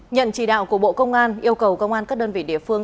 nhận chỉ đạo của bộ công an yêu cầu công an các đơn vị địa phương